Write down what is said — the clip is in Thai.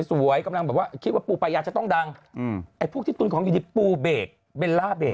กำลังแบบว่าคิดว่าปูปายาจะต้องดังอืมไอ้พวกที่ตุนของอยู่ดีปูเบรกเบลล่าเบรก